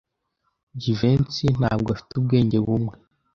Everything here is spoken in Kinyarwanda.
Jivency ntabwo afite ubwenge bumwe.